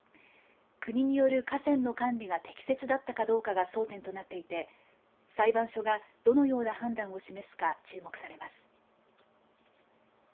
国による河川の管理が適切だったかどうかが争点となっていて裁判所がどのような判断を示すか注目されます。